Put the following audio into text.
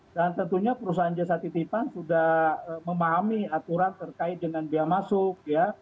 dan tentunya perusahaan jasa titipan sudah memahami aturan terkait dengan biaya masuk ya